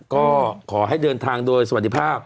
ก็ขอให้เดินทางโดยสวัสดีภาพ